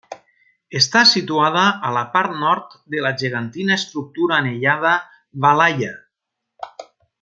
Està situada a la part nord de la gegantina estructura anellada Valhalla.